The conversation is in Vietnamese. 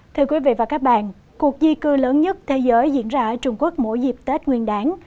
thưa quý vị và các bạn cuộc di cư lớn nhất thế giới diễn ra ở trung quốc mỗi dịp tết nguyên đáng